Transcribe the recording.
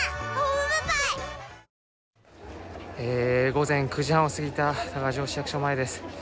午前９時半を過ぎた多賀城市役所前です。